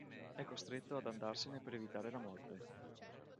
È costretto ad andarsene per evitare la morte.